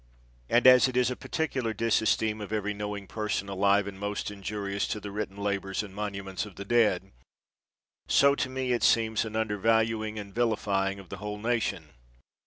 And as it is a particular disesteem of every knowing person alive, and most injurious to the written labors and monuments of the dead, so to me it seems an undervaluing and vilifying of the whole nation.